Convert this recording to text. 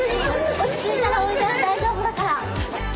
落ち着いたらおいで大丈夫だから。